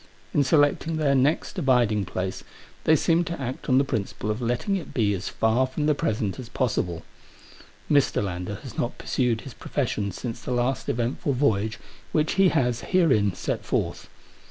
In selecting their next abiding place, they seem to act on the principle of letting it be as far from the present as possible. Mr. Lander has not pursued his profession since the last eventful voyage which he has herein set forth.